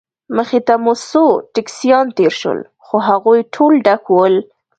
مخې ته مو څو ټکسیان تېر شول، خو هغوی ټول ډک ول.